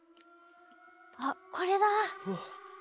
あっこれだ。